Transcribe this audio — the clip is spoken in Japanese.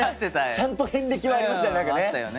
ちゃんと遍歴はありましたね。